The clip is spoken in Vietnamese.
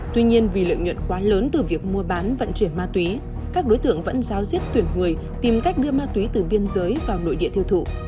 tuy nhiên vì lượng nhuận quá lớn từ việc mua bán vận chuyển ma túy các đối tưởng vẫn giao riết tuyển người tìm cách đưa ma túy từ biên giới vào nội địa thiêu thụ